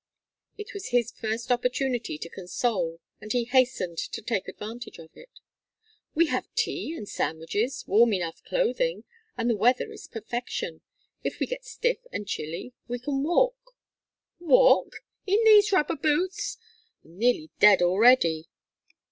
It was his first opportunity to console and he hastened to take advantage of it. "We have tea and sandwiches, warm enough clothing, and the weather is perfection. If we get stiff and chilly we can walk " "Walk? In these rubber boots? I am nearly dead already."